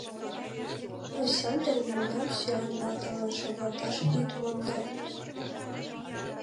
— Осяндр, мемнам сӱан ватылан шогалташ ит мондо!